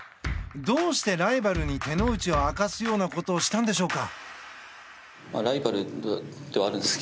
どうしてライバルに手の内を明かすようなことをしたんでしょうか。